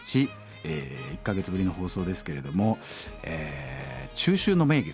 え１か月ぶりの放送ですけれどもえ中秋の名月の日ですね。